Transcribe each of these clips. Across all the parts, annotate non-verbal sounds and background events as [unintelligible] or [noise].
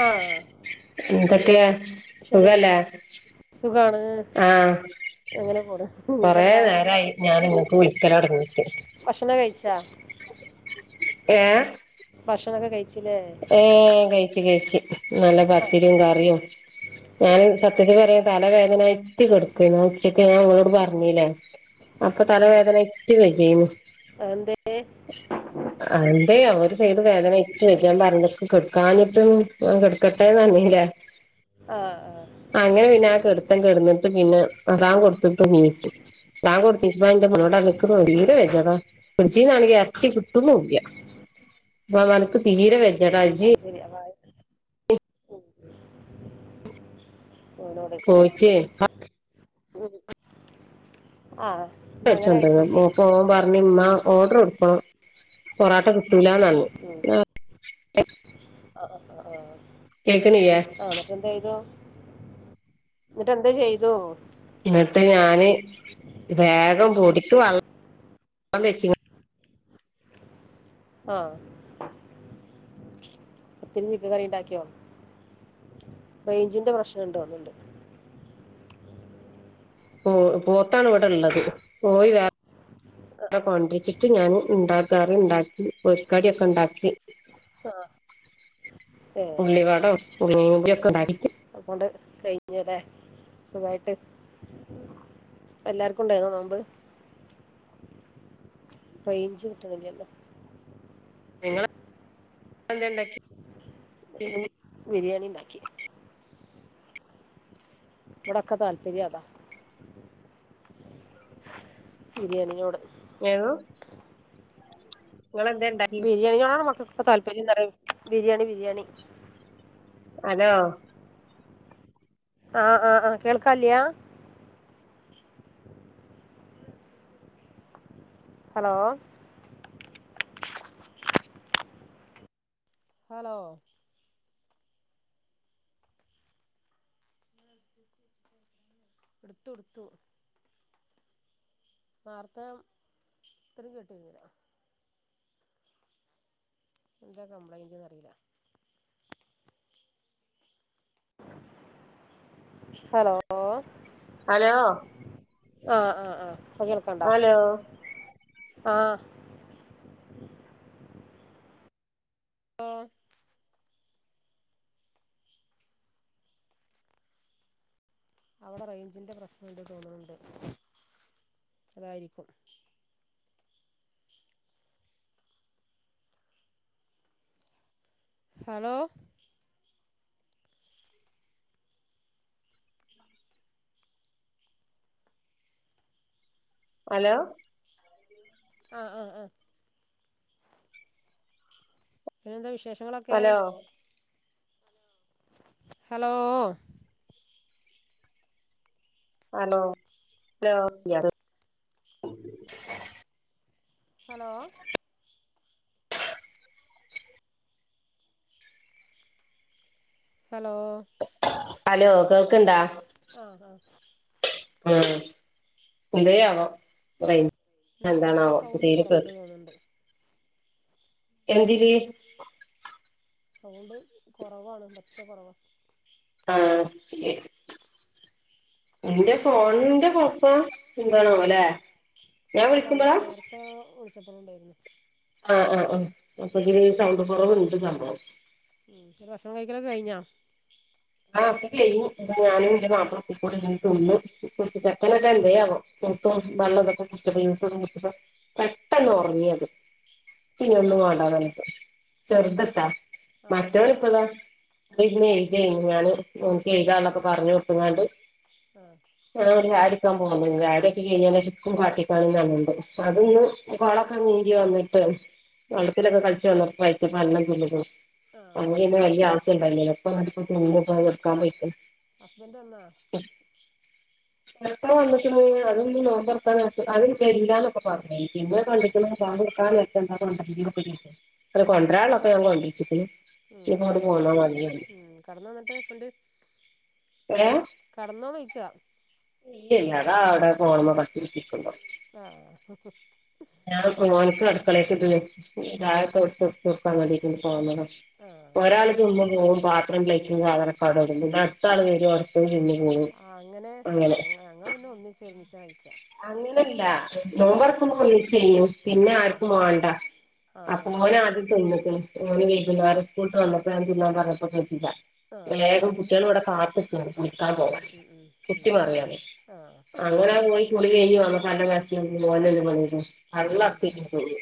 ആ എന്തൊക്കെ ശരിയായില്ല സുഖല്ലേ സുഖാണ് ആഹ് അങ്ങനെ പോണ് കൊറെ പിന്നെന്താ ഭക്ഷണം നേരായി കഴിച്ച ഞാൻ ഇങ്ങക്ക് വിളിക്കലൊടങ്ങിട്ട് ഭക്ഷണം കഴിച്ച ഏഹ് ഭക്ഷണൊെക്കെ കഴിച്ചു. ഏർ കഴിച്ചു കഴിച്ചു നല്ല ആ പത്തിരിയും കറിയും ഞാൻ സത്യത്തിൽ പറയാ തല വേദനയിറ്റ് കിടക്കയിന് ഉച്ചക്ക് ഞാൻ ഓളോട് പറഞ്ഞിലെ അപ്പൊ ആ. തലവേദനെയിട്ടു വേജ്‌ജയ്ന് എന്തേ അതെയ ഒരു സൈഡ് വേദന ഏറ്റവും ഞാൻ പറഞ്ഞ കെടക്കാഞ്ഞിട്ടും കെടക്കട്ടെന്ന് ആ നറഞ്ഞീലെ ആ ആ. അങ്ങനെ പിന്നെ ആ ഉം. കെടുത്തം കെടന്നിട്ട് പിന്നെ ബാങ്കോടുത്തിട്ട് നീച്ചു താങ്കടുത്തീ്പന്ത മണോടാക്കീ ആ വെച്ചവാ ഫ്രിഡ്ജീനാണെങ്കി ഇറച്ചി കിട്ടുനൂല്ല [unintelligible] തീരെ വെജ്ജടാ ജ്ജ് അത് ശരി അപ്പൊ അത് ഉം. ഓനോട് പോയിറ്റ് ഉം ആഹ് അടിച്ചണ്ടന്ന് മപ്പോ പറഞ്ഞന്ന ഓർഡറോഡുക്ക പൊറോട്ട കിട്ടൂലാണറഞ്ഞു ഉം. ആ ആ ആഹ ആഹ മറ്റെന്താായതോ എന്നിട്ട് എന്താ ചെയ്തൂ? എന്നിട്ട് ഞാന് വേഗം പൊടിക്ക് വള്ള ള്ളം വച്ചി ആഹ് പത്തിരി ചിക്കൻ കറി ഉണ്ടാക്കിയോ? റേഞ്ചിന്റെ പ്രശ്നണ്ട് തോനുണ്ട് ഹ്മ് പോത്താണ് ഇവിടെള്ളത് കോയി വേറെ ആ അ കൊണ്ടരിച്ചിട്ട് ഞാന് ഉണ്ടാകറി ഉണ്ടാക്കി പൊരിക്കടിയൊക്കെണ്ടാക്കി ആ ഏ ഉള്ളി വട [unintelligible] ഇണ്ടാക്കി ച്ച്ണ് കഴിഞ്ഞലെ സുഖായിട്ട് അപ്പ എല്ലാർക്കു ഉണ്ടായിന്നോ നോമ്പ് റൈഞ്ച് കിട്ട്ണില്ലല്ലോ നിങ്ങള് ഇപ്പെന്തേണ്ടാക്കി ക്കി ഇവിടൊക്കെ താല്പര്യ അതാ ബിരിയാണിയോട് [unintelligible] ഇണ്ടാക്കി ബിരിയാണിയോടാണ് മക്കൾക്കൊക്കെ താല്പര്യന്നറിയ ബിരിയാണി ബിരിയാണി അലോ ആ ആ ആ കേൾക്കാല്യ ഹലോ ഹലോ എടുത്തു ടുത്തു നാർത്തെ ഇത്രേം കേട്ടിന്നില്ല എന്താ കംപ്ലൈന്റ് അറീല ഹലോ അലോ ആ ആ ആ അലോ ആ ആ അവിടെ റൈഞ്ചിന്റെ പ്രശ്നം ഇണ്ട് തോന്ന്ണ് ണ്ട് അതായിരിക്കും ഹലോ അലോ ആ ആ ആ പിന്നെന്താ വിശേഷങ്ങളൊക്കെ hello hello hello hello [unintelligible] hello hello hello കേൾക്ക്ണ്ടാ? ആ ആ ആ എന്തെ അവൊ റെയ് എന്തർലാ ഇതിന്റെ സൗണ്ട് കൊറവിണ്ട് തോന്ന്ണ്ട് എന്തില് സൗണ്ട് കൊറവാണ് പറ്റ കൊറവാ ആ [unintelligible] എന്റെ ഫോണിന്റെ കൊഴപ്പാ എന്താണാവോലെ? അല്ല അല്ല നേരത്തെ വിളിച്ചപ്പളുണ്ടായി ആ ആ ആ അപ്പൊതില് സൗണ്ട് കൊറവിണ്ട് സംഭവം. ഉം ഭക്ഷണം കഴിക്കലൊക്കെ കഴിഞ്ഞാ? ആ ഒക്കെ കയിഞ്ഞു ഞാനും ഇന്റെ മാപ്പളൊക്കെക്കൂടി ഇങ്ങനെ തിന്നു. കുളിച്ച് ചെക്കനൊക്കെ എന്തേ ആവോ പുട്ടും വെള്ളം ഇതൊക്കെ കുടിച്ചപ്പോ ജ്യൂസൊക്കെ കുടിച്ചപ്പോ പെട്ടെന്ന് ഒറങ്ങി. ഇക്ക് ഇഞ്ഞി ഒന്നും ആഹ് വാണ്ടാന്നർഞ്ഞിട്ട് ചെർതിട്ടാ. ആഹ് ആഹ് മറ്റൊല് ഇപ്പതാ ഇബടെര്ന്ന് എഴ്തേനി ഞാന് നോക്കി എഴുതാള്ളൊക്കെ പറഞ്ഞ് കൊടുത്തിങ്ങാണ്ട് ആഹ് ഞാനൊരു ചായൊടിക്കാൻ പോണി [unintelligible] ചായൊടിയൊക്കെ കഴിഞ്ഞേന് ശേഷം ഇക്കും കാട്ടിക്കാണിംന്നറീണ്ട് അതൊന്ന് കൊളാക്ക നീന്തി വന്നിട്ട് വെള്ളത്തിലൊക്കെ കളിച്ച് വന്നപ്പൊ പയിത്ത [unintelligible] തിന്നു. അന്ന് ആഹ് പിന്നെ വല്യേ അവശ്യണ്ടായില്ലല്ലോ ഇപ്പം എന്നിട്ടിപ്പം ഇന്റെ പണട്ക്കാൻ പോയിക്കാണ് ഹസ്ബൻഡ് വന്നാ [unintelligible] എപ്പഴാ വന്നിക്കണത് അവനിനി നോമ്പർക്കാൻ നേരത്ത് അതും വെരീലാന്നൊക്കെ പറഞ്ഞീനി പിന്നെ ഉം കണ്ടിക്ക്ണ് ബാങ്ക് [unintelligible] അല്ല കൊണ്ട്രാള്ളൊക്കെ ഞാൻ കൊണ്ട്രിച്ചിക്കിണ്. [unintelligible] അങ്ങട്ട് പോവുമ്പോ മതീ പറയും. കടന്നു വന്നിട്ട് ഇപ്പണ്ട് ഏ ഇല്ലില്ല അതാ അവടെ ഫോൺമ്മേ കളിച്ച് കുത്തിരിക്കിണ്ടാവും. ആഹ് ഞാൻ ഒര് മണിക്ക് അടുക്കളേക്ക് [unintelligible] ചായൊക്കെ വെച്ചൊടുത്ത് ഇപ്പൊ ഇങ്ങ്ടേക്ക് ഒന്ന് പോന്നതാ. ആഹ് ആഹ് ഒരാള് തിന്ന് പോവും പാത്രോം പ്ലെയ്റ്റും സാധനൊക്കെ അവിടെടും പിന്നെ അടുത്താള് വെരും അടുത്തത് തിന്ന് പോവും. ങ്ങനെ അങ്ങനെ ഞങ്ങള് പിന്നെ ഒന്നിച്ച് ഒരുമിച്ചാ കഴി അങ്ങനെല്ലാ നോമ്പറക്കുമ്പോ ഒന്നിച്ച് തിന്നും, പിന്നെ ആഹ് ആർക്കും വാണ്ട. ആഹ് അപ്പു ആഹ് മോനാദ്യം തിന്നികക്ക്ണ് ഓന് ഉം വൈകുന്നേരം സ്കൂളിട്ട് വന്നപ്പോ ഞാൻ തിന്നാൻ പറഞ്ഞപ് [unintelligible] ആഹ് വേഗം കുട്ട്യാളിവിടെ കാത്തിക്കാണ് കുളിക്കാൻ ഉം പോവാൻ, ഉം ഉം കുത്തി ഉം മറിയാന്. ആഹ് അങ്ങനെ പോയി കുളി കെയ്ഞ്ഞ് വന്നപ്പോ നല്ല എർച്ചി [unintelligible] ഓനങ്ങ് [unintelligible] ഉം പള്ളറച്ചേറ്റിപ്പോയി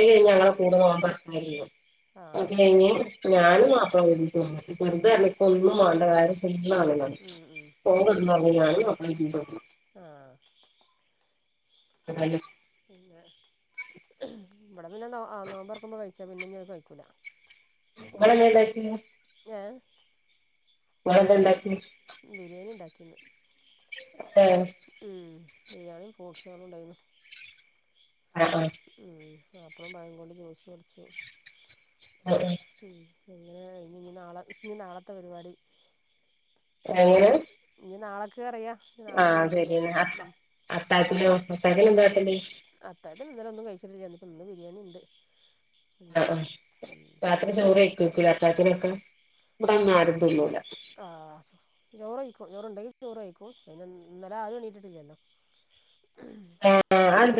ഏയ് ഞങ്ങളെ കൂടെ നോമ്പറക്കാറില്ല ആഹ് അത് ആഹ് കയിഞ്ഞ് ഞാനും മാപ്ലെം ഒരുമിച്ച് വെറുതെയല്ല ഇപ്പൊന്നും വാണ്ട വയറ് ഫുള്ളാണ്ന്നാണ് ഉം ഉം ഓൻ കെടന്നൊറങ്ങി ഞാനും മാപ്പിളീം ചീത്ത [unintelligible] ആഹ് [unintelligible] ഇല്ല ഇബടെ പിന്നെ നോ ആഹ് നോമ്പറക്കുമ്പോ കഴിച്ചാ പിന്നെ ഇഞ്ഞി അത് കഴിക്കൂല. ഇങ്ങളെന്തേണ്ടാക്കീന്? ഏഹ് ഇങ്ങളെന്താണ്ടാക്ക്യേ? ബിരിയാണി ഇണ്ടാക്കീന്ന് ഏഹ് ഉം ബിരിയാണിയും ഫ്രൂട്ട്സളും ഇണ്ടായ്ന്നു. ആഹ് ആഹ് ഉം ആപ്പിളും പയം കൊണ്ട് ജൂസും അടിച്ചു ആഹ് ഉം ങേഹ് ഇനി നി നാളെ ഇനി നാളത്തെ പരിപാടി ഏ ഞ്ഞി നാളക്ക് അറിയാം ആഹ് ശര്യന്നേ അത്ത അത്തായത്തിനോ അത്തായത്തിന് ന്താ വെക്കണ്ട് അത്തായത്തിന് ഇന്നലൊന്നും കയിച്ചിട്ടില്ല ഇന്ന്പ്പൊ ഇന്ന് ബിരിയാണിണ്ട്. അ ആ രാത്രി ചോറ് കയ്ക്കൂലേ അത്തായത്തിനൊക്കെ ഇബടങ്ങനാരും തിന്നൂല്ല. ആഹ് ചോറ് ചോറുണ്ടെങ്കി ചോറെയ്ക്കും അയിന് ഇന്നലെ ആരും എണീറ്റിട്ടില്ലല്ലോ ഏ ഏ അതെന്ത്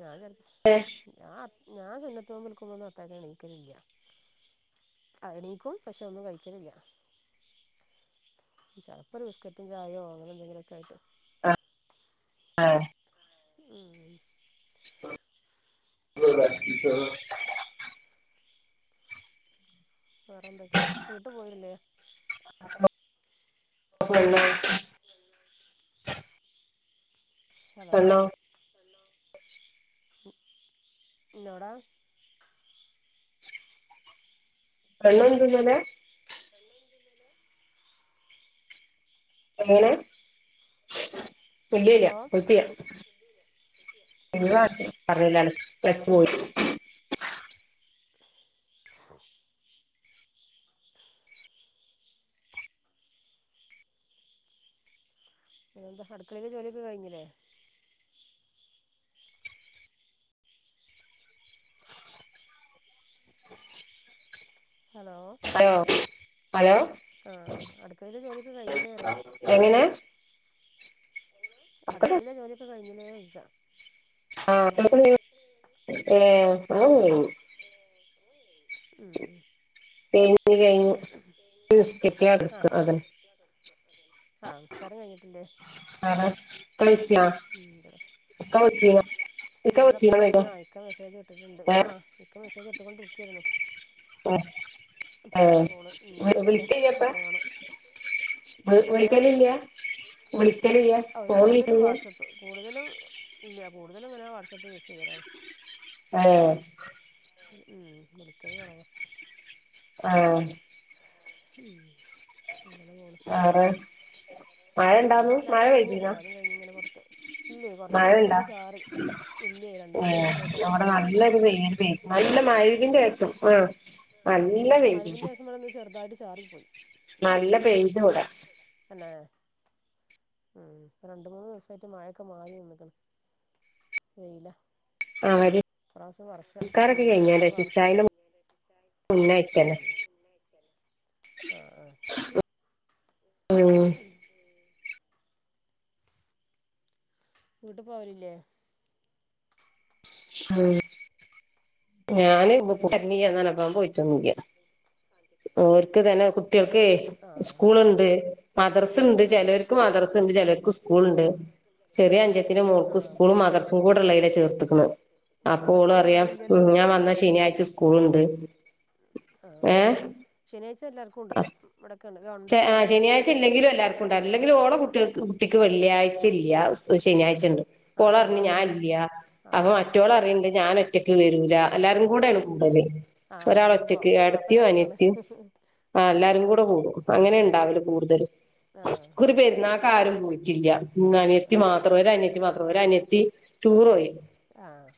ഞാൻ ചെലപ്പം [unintelligible] ഞാൻ ഞാൻ സുന്നത്ത് നോമ്പ്ടുക്കുമ്പോ ഒന്നും അത്തായത്തിന് എണീക്കലില്ല. അ എണീക്കും പക്ഷെ ഒന്നും കയിക്കലില്ല ചെലപ്പോ ഒരു ബിസ്ക്കറ്റും ചായോ അങ്ങനെ എന്തെങ്കിലൊക്കെ ആയിട്ട് ആഹ് ആഹ് ഉം [inaudible] വേറെന്തൊക്കെ വീട്ടിപോയില്ലേ ഹലോ [inaudible] ഹലോ [unintelligible] എന്നോടാ ഒന്നും നിന്റേല്ല്യല്ലെ [unintelligible] എങ്ങനെയാ ഇല്ല്യല്ല ഹലോ ബുദ്ധിയാ ഇല്ല പറഞ്ഞില്ലായിര്ന്ന് മരിച്ച് പോയി [inaudible] പിന്നെന്താ അടുക്കളയില് ജോലിയൊക്കെ കഴിഞ്ഞില്ലേ ഹലോ ഹലോ ഹലോ ആ അടുക്കളയിലെ ജോലിയൊക്കെ കഴിഞ്ഞില്ലേ അറിയാം എങ്ങനെ അടുക്കളയിലെ ജോലിയൊക്കെ കഴിഞ്ഞില്ലേ ന്ച്ച ആഹ [unintelligible] ഏ [unintelligible] ഉം ജോലികയിഞ്ഞു [unintelligible] ആഹ നിസ്കാരം കഴിഞ്ഞിട്ടില്ലേ ആ കളച്ചിയാ കളച്ചിയ എന്റെതൊക്കെ കഴിഞ്ഞു ആ ഇക്ക മെസ്സേജ് ഇട്ടിട്ടുണ്ട് ഏഹ് ആ ഇക്ക മെസ്സേജ് ഇട്ടൊണ്ടിരിക്കായിരുന്നു [unintelligible] അപ്പ അത് ന്റെ കോള് വീണ്ട്ളിക്കട്ടെ പോണ് ഒൽ ഒളിക്കലില്ല ഒളിക്കലില്ല അവർ കോൾ കൂടുതലും വിളിക്കിന്ന് വാട്സപ്പ് കൂടുതലും ഇല്ല കൂടുതലും ഇങ്ങന വാട്സആപ്പ് യൂസ് ചെയ്യാലാണ് ആഹ ഉം വിളിക്കല് കെറവാ ആഹ ഉം അങ്ങനെ പോണ് വേറെ മഴ ഞൻ ഇണ്ടാന്നു മഴ എല്ലാതും കഴിഞ്ഞു പെയ്തീനോ എല്ലാതും കഴിഞ്ഞഞ് ഇങ്ങനെ പുറത്ത് ഇല്ല കൊറച്ച് മുമ്പ് ഒന്ന് ചാറി ഇ ഏ അവിടെ നല്ലൊരു വെയ്ല് നല്ല മഴുവിന്റെ ആക്കും ആ നല്ലവെയിലുണ്ട് മഗ്‌രിബിന്റെ ശേഷം ഇവിടൊന്ന് ചെറുതായിട്ട് ചാറിപ്പോയി നല്ല പെയ്ത് വ്ടാ ആഹ ഉം രണ്ട് മൂന്ന് ദിവസമായിട്ട് മഴയൊക്കെ മാറി നിന്ന്ക്കണ് വെയില്ല ആഹ് വരി പ്രാവശ്യ വർഷം ഉം പ്രാവശ്യ വർഷം ഉന്നായിത്തന്നെ ഉം ആഹ് ആഹ് ആഹ വീട്ട് പോവലില്ലേ ഉ ഞാന് ഇാനപ്പൻ പോയിട്ടോന്നിക്ക ഓർക്ക് തന്നെ കുട്ടികൾക്ക് ആഹ് സ്കൂളുണ്ട് മദർസുണ്ട് ആഹ് ചിലർക്ക് മദർ ണ്ട് ചിലർക്കും സ്കൂൾ ഉണ്ട് ചെറിയ അഞ്ചത്തിന്റെ മോൾക്ക് ആഹ് സ്കൂളും മദർസും കൂടെ ഉള്ള ഇനെ ചേർത്തക്കണ് ആഹ് അപ്പോഓള് ഇന്നും അറിയാം നാളീം ഉ ഞാൻ വന്ന ശനിയാഴ്ച സ്കൂളുണ്ട് അ ഏ ഉണ്ട് ആ ഇവിടൊക്കെണ്ട് ഗവൺമെന്റ് ആ സ്കൂളുണ്ട് ശനിയാഴ്ച ഇല്ലെങ്കിലും എല്ലാവർക്കും ഉണ്ട അല്ലെങ്കിലും ഓടട്ടി കുട്ട വെള്ളിയാഴ്ചല്ല ശനിയാഴ്ച ഉണ്ട് ആഹ് പോളറി അങ്ങനെയാണ് ഞാനല്ല അപ്പൊ ആഹ് മറ്റോള് അറിയണ്ട് ഞാൻ ഒറ്റക്ക് വരൂല എല്ലാരും ആഹ് കൂടെയാണ് കൂടുതല് ആഹ് ഒരാൾ കൂടുമ്പോ ഒറ്റക്ക് ആ അപ്പൊ ഇടത്തിയും രസാണ് അനിയത്തിയും ഉം ആ എല്ലാരും കൂടെ കൂടും അങ്ങനെ ഉം ഉണ്ടാവില്ല കൂടുതലും ആഹ് കുറ പേരുന്ന ആക്കാരും പോയിട്ടില്ല ഉ ആഹ് അനിയത്തി ആഹ് മാത്രം ഒര് അനിയത്തി മാത്രം ഒ അനിയത്തി ടൂർ ഉം പോയി ആഹ്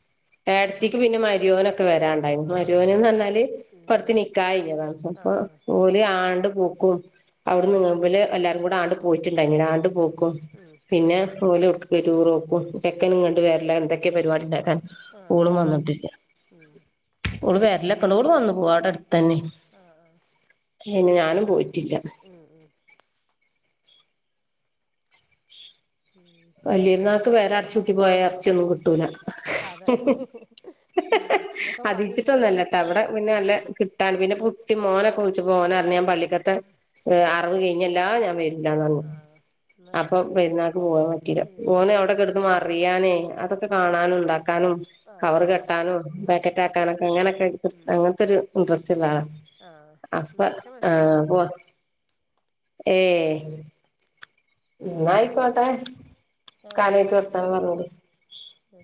ഇടത്തക്ക് പിന്നെ മരിയോനൊക്കെ വരാുണ്ടായിരുന്നു മരിയോനന്ന് പറന്നാല് ഉം പറത്തി ഉം നിക്കാഞ്ഞതാണ് അപ്പൊ ആഹ് ആഹ് പോലി ഉം ആണ്ട് പൂക്കും അവിടെ ആഹ് അതെ നിങ്ങുമ്പില് ഉം എല്ലാരും കൂടെ ആണ്ട് പോയിട്ടുണ്ടായി ആഹ് ആണ്ട് പോക്കും പിന്നെ ഓലരുറോക്കും ചെക്കനും കണ്ട് വേറെല്ല എന്തൊക്കെ പരിപാടി ഉണ്ടാക്കാൻ ഊള ആഹ് ഉം ഇള് വേരലക്കള കൂട് വന്നു പോവാ അവിടെ അടുത്ത തന്നെ ആഹ് ആഹ് ഞാനും പോയിറ്റില്ല അത് ശരി ഉം ഉം ഉം വല്ല്യര്ന്നാക്ക് പെരട്ചൂട്ടി പോയ എർച്യൊന്നും ക്ട്ടൂല അതെ ഞാ ഞാൻ വാങ്ങി വെച്ചിട്ടാ പോ അതിച്ചിട്ടൊന്നല്ലട്ട വ്ട പിന്ന ഉം നല്ല ഉം കിട്ടാണ് പിന്നെ പുട്ടി മോനൊക്ക ച്പ്പ് ഓനർഞ്ഞ് ഞാം പള്ളിക്ക ത്ത് അറവ് ആഹ് കയ്ഞ്ഞല്ലാ ഞാൻ വരൂലാന്നർഞ്ഞി ആഹ് ന്ന് അപ്പൊ പെര്ന്നാക്ക്‌ പോ ഉം ഓനെ അവ്ടെ കെട്ന്ന് മാറിയാനെ അതൊക്കെ കാണാനുണ്ടാക് ക്കാനും ആഹ് അതെ കവറ് കെട്ടാനും ഉം പാക്കറ്റ് ഉം ഉം ആക്കാനും അങ്ങനൊക്കെ ഉം അങ്ങൻത്തൊരു ഇൻട്രസ്റ്റ് ള്ള ആള ആഹ് അപ്പൊ ന്നാ ഇക്ക മെസ്സേജ് ആഹ് പോ ഇട്ണ്ട് ഏ ന്ന ആയ്ക്കോട്ടെ ആഹ് കാലയ്ട്ട് ശരി വർത്താന പർഞ്ഞൂട് ആ